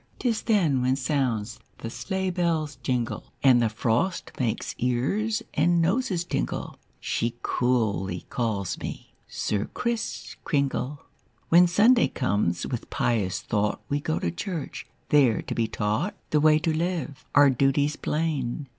'Tis then when sounds the sleigh bell's jingle And the frost makes ears and noses tingle, She coolly calls me 'Sir Kriss Kringle.'" Copyrighted, 18U7 c^^aHEN Sunday comes, with pious thought We go to church, there to be taught The way to live, our duties plain.